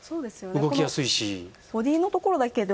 動きやすいし。